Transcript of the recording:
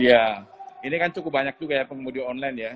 ya ini kan cukup banyak juga ya pengemudi online ya